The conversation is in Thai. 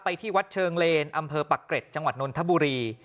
ที่วัดเชิงเลนอำเภอปักเกร็ดจังหวัดนนทบุรี